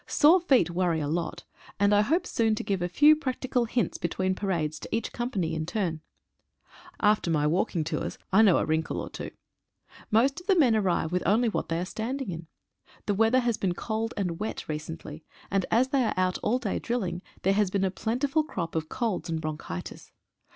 Sore feet worry a lot, and I hope soon to give a few practical hints between parades to each company in turn. After my walking tours, I know a wrinkle or two. Most of the men arrive with only what they are standing in. The weather has been cold and wet recently, and as they are out all day drilling, there has been a plentiful crop of colds and bronchitis.